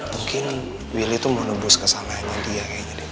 mungkin willy tuh mau nembus kesalahan yang dia kayaknya deh